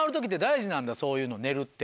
そういうの寝るって。